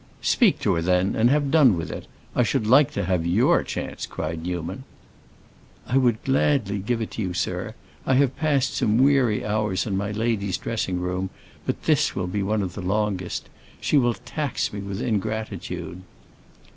"Speak to her, then, and have done with it. I should like to have your chance!" cried Newman. "I would gladly give it you, sir. I have passed some weary hours in my lady's dressing room; but this will be one of the longest. She will tax me with ingratitude."